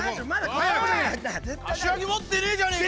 カシワギ持ってねえじゃねえか！